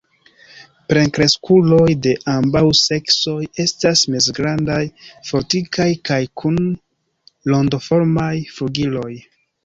Plenkreskuloj de ambaŭ seksoj estas mezgrandaj, fortikaj kaj kun rondoformaj flugiloj.